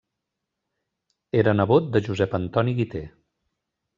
Era nebot de Josep Antoni Guiter.